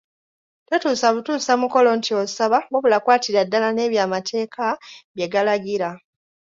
Totuusa butuusa mukolo nti osaba wabula kwatira ddala n’ebyo amateeka bye galagira.